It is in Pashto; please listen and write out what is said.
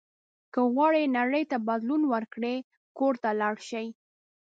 که غواړئ نړۍ ته بدلون ورکړئ کور ته لاړ شئ.